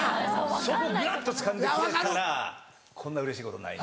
そこをガッ！とつかんでくれたらこんなうれしいことない。